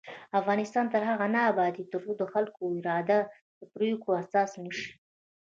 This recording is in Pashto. افغانستان تر هغو نه ابادیږي، ترڅو د خلکو اراده د پریکړو اساس نشي.